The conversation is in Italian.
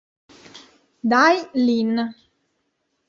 Dai Lin